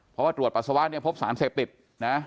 เพราะว่าตรวจปัสสาวะเนี่ยพบสารเสพติดนะ